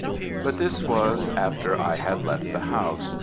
But this was after I had left the house.